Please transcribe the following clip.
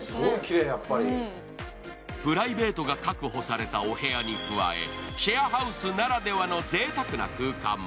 プライベートが確保されたお部屋に加え、シェアハウスならではのぜいたくな空間も。